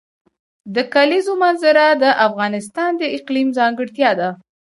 د کلیزو منظره د افغانستان د اقلیم ځانګړتیا ده.